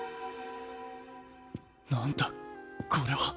なんだこれは？